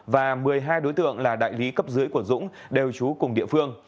và một mươi hai đối tượng là đại lý cấp dưới của dũng đều trú cùng địa phương